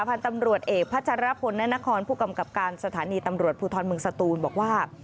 พันธุ์ตำรวจเอกพัชรพลนานครผู้กำกับการสถานีตำรวจภูทรเมืองสตูนบอกว่า